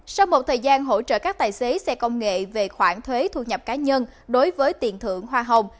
sau một thời gian hỗ trợ các tài xế xe công nghệ về khoản thuế thu nhập cá nhân đối với tiền thưởng hoa hồng